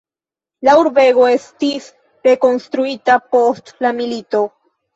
La urbego estis rekonstruita post la milito.